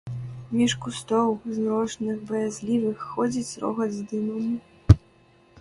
Між кустоў, змрочных, баязлівых, ходзіць рогат з дымам.